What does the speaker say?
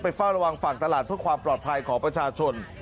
เฝ้าระวังฝั่งตลาดเพื่อความปลอดภัยของประชาชน